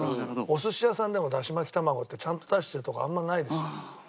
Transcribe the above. お寿司屋さんでもだしまき玉子ってちゃんと出してるとこあんまりないですよ。